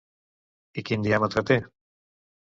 I quin diàmetre té?